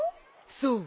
そう。